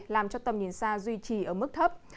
làm cho tầm nhìn xa duy trì ở mức thấp